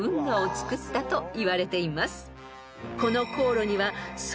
造ったといわれています］